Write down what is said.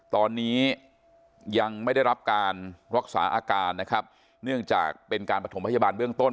ตอนนี้ยังไม่ได้รับการรักษาอาการนะครับเนื่องจากเป็นการประถมพยาบาลเบื้องต้น